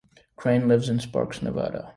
Crane lives in Sparks, Nevada.